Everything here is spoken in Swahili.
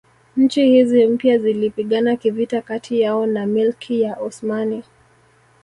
Nchi hizi mpya zilipigana kivita kati yao na Milki ya Osmani